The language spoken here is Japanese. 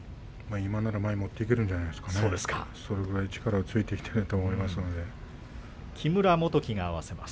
今なら前に持っていけるんじゃないですかね、それだけ力がついてきていると思います。